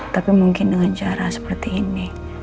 tapi mungkin dengan cara seperti ini